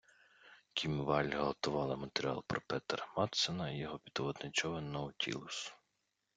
Кім Валль готувала матеріал про Петера Мадсена і його підводний човен Наутілус.